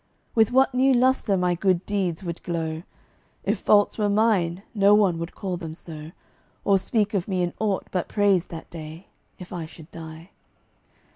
With what new lustre my good deeds would glow! If faults were mine, no one would call them so, Or speak of me in aught but praise that day, If I should die.